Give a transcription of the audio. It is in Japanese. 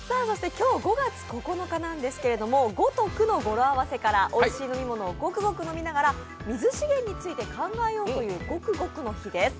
今日５月９日ですけれども、５と９の語呂合わせから、おいしいものをゴクゴク飲みながら水資源について考えようというゴクゴクの日です。